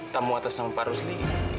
tamu atas nama pak rusli